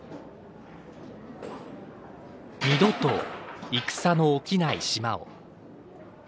「二度と戦の起きない島を」。